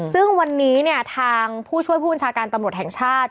ซึ่งวันนี้เนี่ยทางผู้ช่วยผู้บัญชาการตำรวจแห่งชาติ